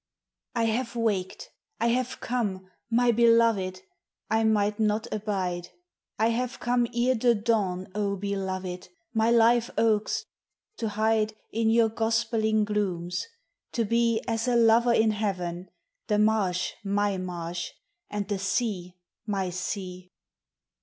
I have waked, I have come, niy beloved ! I might not abide : I have come ere the dawn, O beloved! my live oaks, to hide In your gospelling glooms — to be As a lover in heaven, the marsh my marsh, and the sea my sea.